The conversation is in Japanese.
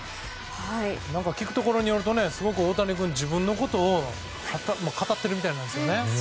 聞くところによると大谷君、すごく自分のことを語っているみたいなんですよね。